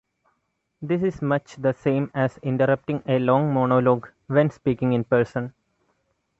This is much the same as interrupting a long monologue when speaking in person.